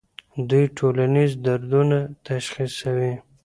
دوی ټولنیز دردونه تشخیصوي.